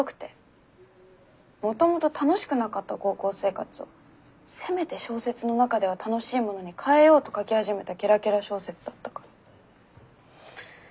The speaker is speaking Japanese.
もともと楽しくなかった高校生活をせめて小説の中では楽しいものに変えようと書き始めたキラキラ小説だったからネタが尽きた感じ。